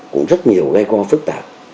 cũng rất nhiều gai co phức tạp